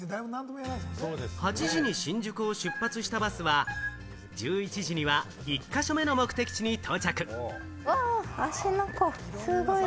８時に新宿を出発したバスは、１１時には１か所目の目的地に到着。